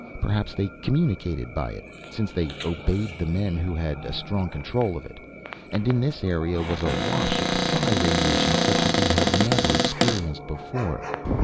Perhaps they communicated by it, since they obeyed the men who had a strong control of it. And in this area was a wash of psi radiation such as he had never experienced before.